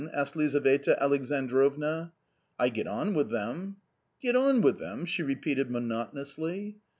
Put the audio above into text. asked Lizaveta Alexandrovna. " I get on with them." " Get on with them ! w she repeated monotonously.